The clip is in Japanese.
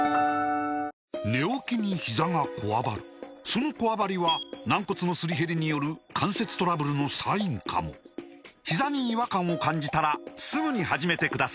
そのこわばりは軟骨のすり減りによる関節トラブルのサインかもひざに違和感を感じたらすぐに始めてください